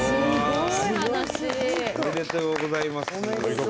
おめでとうございます！